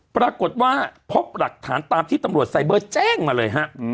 ปรากฏว่าพบหลักฐานตามที่ตำรวจไซเบอร์แจ้งมาเลยฮะ